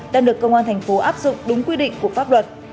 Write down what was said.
đang được công an thành phố áp dụng đúng quy định của pháp luật